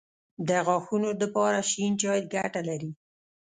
د غاښونو دپاره شين چای ګټه لري